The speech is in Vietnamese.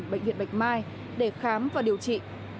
bệnh viện bạch mai để khám và điều trị